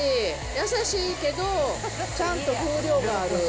優しいけど、ちゃんと風量がある。